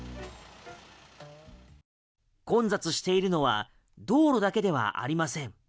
混雑しているのは道路だけではありません。